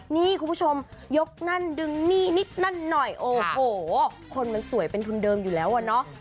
นี่คุณผู้ชมยกนั่นดึงหนี้นิดนั่นหน่อยโอ้โหคนมันสวยเป็นทุนเดิมอยู่แล้วอะเนาะ